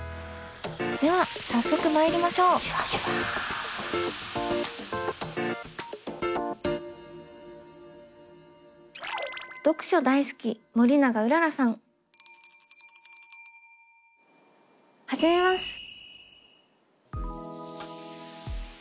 では早速まいりましょう始めます。